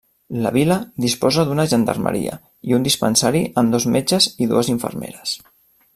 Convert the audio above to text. La vila disposa d'una gendarmeria i un dispensari amb dos metges i dues infermeres.